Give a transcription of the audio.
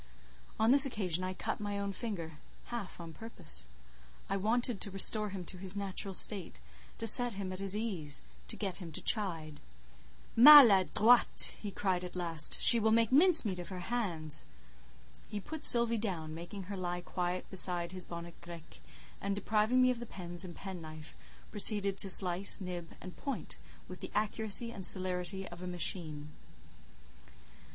On this occasion I cut my own finger—half on purpose. I wanted to restore him to his natural state, to set him at his ease, to get him to chide. "Maladroit!" he cried at last, "she will make mincemeat of her hands." He put Sylvie down, making her lie quiet beside his bonnet grec, and, depriving me of the pens and penknife, proceeded to slice, nib, and point with the accuracy and celerity of a machine.